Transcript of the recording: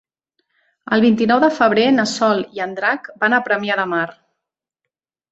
El vint-i-nou de febrer na Sol i en Drac van a Premià de Mar.